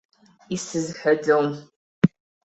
Исызҳәаӡом.